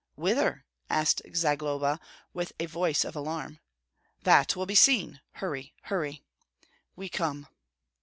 "Whither?" asked Zagloba, with a voice of alarm. "That will be seen. Hurry, hurry!" "We come."